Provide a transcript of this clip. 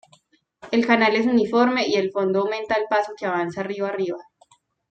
El canal es uniforme y el fondo aumenta al paso que avanza rio arriba.